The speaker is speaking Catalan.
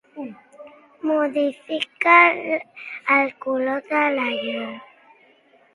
Modifica el color de la llum.